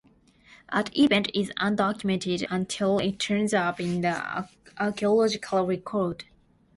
An event is "undocumented" until it turns up in the archaeological record.